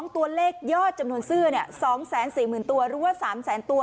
ตัวเลขยอดจำนวนซื้อ๒๔๐๐๐ตัวหรือว่า๓แสนตัว